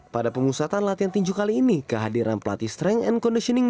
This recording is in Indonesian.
pada pemusatan latihan tinju kali ini kehadiran pelatih strength and conditioning